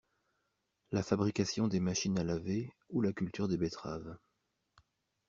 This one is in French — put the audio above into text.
la fabrication des machines à laver ou la culture des betteraves.